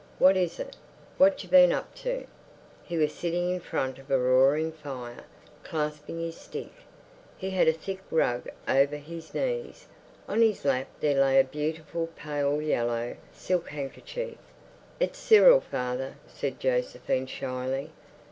What is it? What've you been up to?" He was sitting in front of a roaring fire, clasping his stick. He had a thick rug over his knees. On his lap there lay a beautiful pale yellow silk handkerchief. "It's Cyril, father," said Josephine shyly.